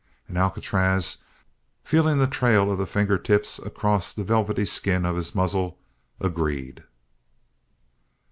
And Alcatraz, feeling the trail of the finger tips across the velvet skin of his muzzle, agreed. THE END.